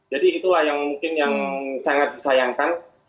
jadi itulah yang mungkin yang sangat disayangkan